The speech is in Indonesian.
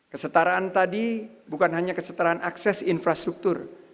kesetaraan tadi bukan hanya kesetaraan akses infrastruktur